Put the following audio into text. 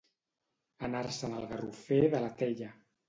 Anar-se'n al garrofer de la Tella.